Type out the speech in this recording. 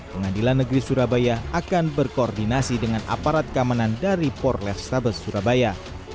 pengadilan negeri surabaya akan berkoordinasi dengan aparat keamanan dari por left stable surabaya